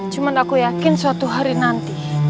cuma aku yakin suatu hari nanti